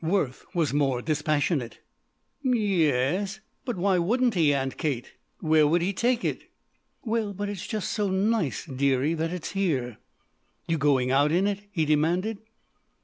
Worth was more dispassionate. "Y es; but why wouldn't he, Aunt Kate? Where would he take it?" "Well, but it's just so nice, dearie, that it's here." "You going out in it?" he demanded.